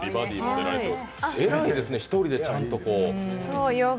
偉いですね、１人でちゃんとこう。